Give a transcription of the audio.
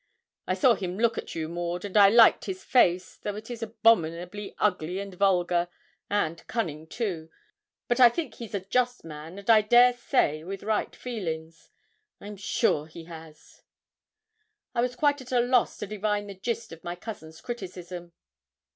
I saw him look at you, Maud, and I liked his face, though it is abominably ugly and vulgar, and cunning, too; but I think he's a just man, and I dare say with right feelings I'm sure he has.' I was quite at a loss to divine the gist of my cousin's criticism.